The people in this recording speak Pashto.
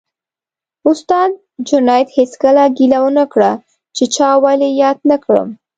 استاد جنید هېڅکله ګیله ونه کړه چې چا ولې یاد نه کړم